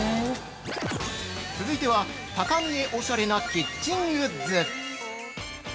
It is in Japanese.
◆続いては高見えおしゃれなキッチングッズ。